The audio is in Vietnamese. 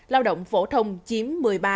lao động phổ thông chiếm một mươi ba tám mươi bảy